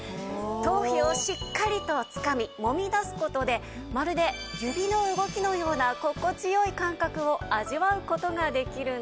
頭皮をしっかりとつかみもみ出す事でまるで指の動きのような心地良い感覚を味わう事ができるんです。